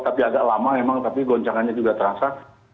tapi agak lama memang tapi goncangannya juga terasa